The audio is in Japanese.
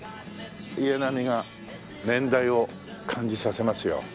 家並みが年代を感じさせますよ。